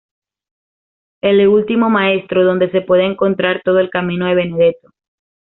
L’ultimo maestro", donde se puede encontrar todo el camino de Benedetto.